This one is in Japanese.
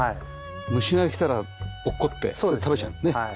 虫が来たら落っこって食べちゃうんだね。